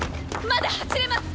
まだ走れます！